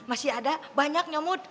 masih ada banyak nyamud